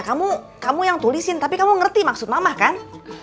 kamu kamu yang tulisin tapi kamu ngerti maksud mama kan